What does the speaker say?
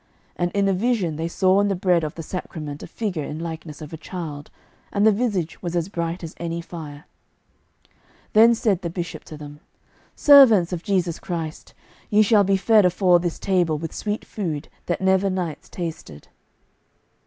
And in a vision they saw in the bread of the sacrament a figure in likeness of a child, and the visage was as bright as any fire. Then said the bishop to them, "Servants of Jesu Christ, ye shall be fed afore this table with sweet food, that never knights tasted."